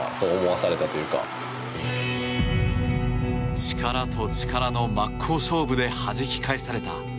力と力の真っ向勝負ではじき返された。